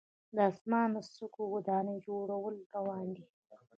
د اسمان څکو ودانیو جوړول روان دي.